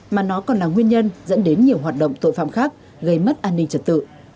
mà nó còn là nguyên nhân dẫn đến nhiều hoạt động tội phạm khác gây mất an ninh trật tự